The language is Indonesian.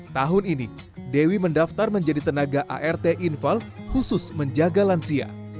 tahun ini dewi mendaftar menjadi tenaga art infal khusus menjaga lansia